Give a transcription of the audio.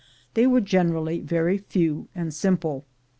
They were generally very few and simple.